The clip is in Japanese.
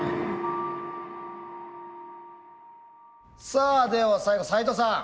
さあでは最後斎藤さん